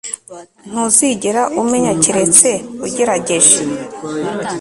Ntuzigera umenya keretse ugerageje